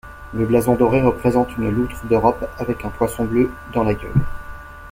Le blason doré représente une loutre d'europe avec un poisson bleu dans la gueule.